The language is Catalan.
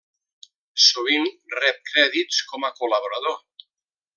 Sovint, rep crèdits com a col·laborador.